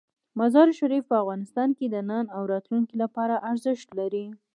مزارشریف په افغانستان کې د نن او راتلونکي لپاره ارزښت لري.